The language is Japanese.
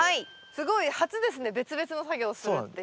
すごい初ですね別々の作業をするっていうのは。